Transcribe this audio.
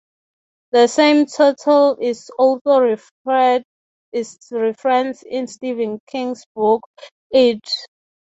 The same turtle is also referenced in Stephen King's book, "It".